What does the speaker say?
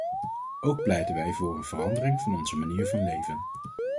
Ook pleiten wij voor een verandering van onze manier van leven.